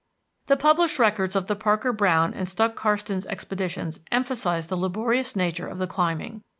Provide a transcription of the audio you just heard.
The published records of the Parker Browne and Stuck Karstens expeditions emphasize the laborious nature of the climbing.